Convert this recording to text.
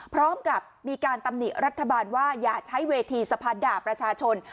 พร้อมกับมีการตำหนิรัฐบาลว่าอย่าใช้เวทีสะพานด่าประชาชน